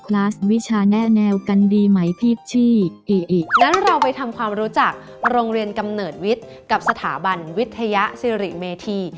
งั้นเราไปทำความรู้จักโรงเรียนกำเนิดวิทย์กับสถาบันวิทยาสิริเมธี